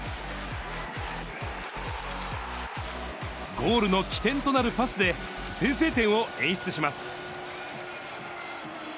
ゴールの起点となるパスで、先制点を演出します。